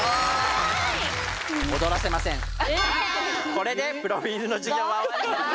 これでプロフィールの授業は終わります。